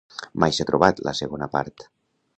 Mai s'ha trobat la segona part.